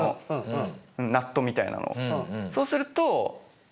そうすると。